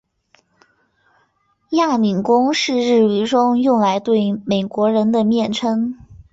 亚米公是日语中用来对美国人的蔑称。